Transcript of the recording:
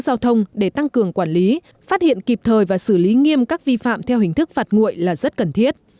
giao thông để tăng cường quản lý phát hiện kịp thời và xử lý nghiêm các vi phạm theo hình thức phạt nguội là rất cần thiết